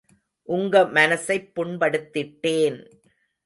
உங்க மனசைப் புண்படுத்திட்டேன்...!